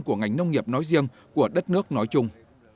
của ngành nông nghiệp nói riêng của đất nước nói chung